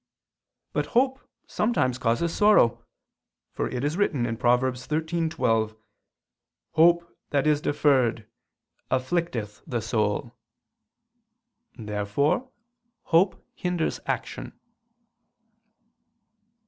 But hope sometimes causes sorrow: for it is written (Prov. 13:12): "Hope that is deferred afflicteth the soul." Therefore hope hinders action.